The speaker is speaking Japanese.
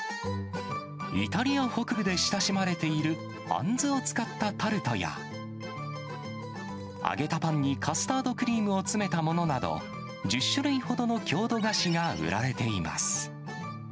イタリア北部で親しまれているあんずを使ったタルトや、揚げたパンにカスタードクリームを詰めたものなど、１０種類ほどの郷土菓子が売られています。